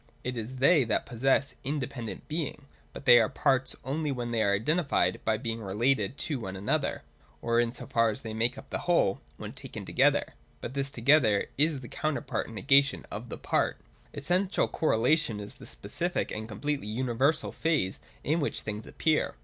It is they that possess in dependent being. But they are parts, only when they are identified by being related to one another ; or, in so far as they make up the whole, when taken together. But this ' Together ' is the counterpart and negation of the part. Essential correlation is the specific and completely uni versal phase in which things appear.